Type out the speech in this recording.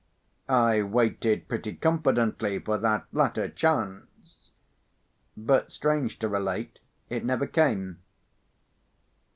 I waited pretty confidently for that latter chance; but, strange to relate, it never came.